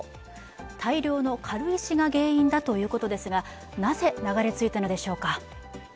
大量の軽石が原因だということですがなぜ、流れ着いたのでしょうか？